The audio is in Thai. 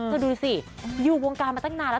ดูสิอยู่วงการมาตั้งนานแล้ว